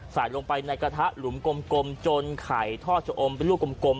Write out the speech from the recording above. ใส่ลงไปในกระทะหลุมกลมจนไข่ทอดจะอมเป็นลูกกลม